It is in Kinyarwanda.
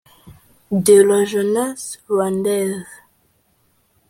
de la Jeunesse Rwandaise